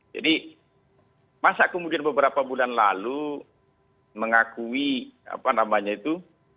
masa kemudian beberapa bulan lalu mengakui apa namanya itu